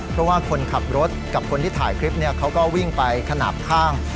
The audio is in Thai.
เพราะว่าคนขับรถกับคนที่ถ่ายคลิปเขาก็วิ่งไปขนาดข้าง